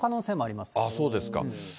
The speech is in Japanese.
そうですか。